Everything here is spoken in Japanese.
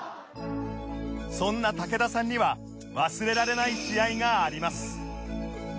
そんな武田さんには忘れられない試合があります